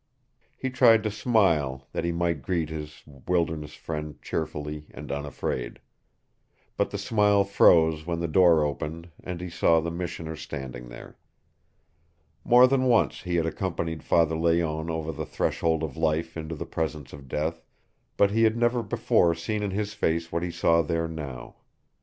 He tried to smile, that he might greet his wilderness friend cheerfully and unafraid. But the smile froze when the door opened and he saw the missioner standing there. More than once he had accompanied Father Layonne over the threshold of life into the presence of death, but he had never before seen in his face what he saw there now.